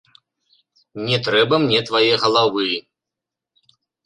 Не трэба мне твае галавы.